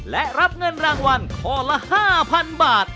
และรับเงินรางวัลข้อละ๕๐๐๐บาท